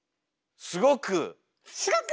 すごく！